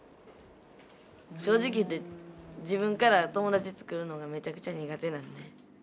正直言って自分から友達作るのがめちゃくちゃ苦手なんで。